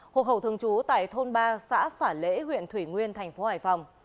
hộ khẩu thường trú tại thôn ba xã phả lễ huyện thủy nguyên tp hcm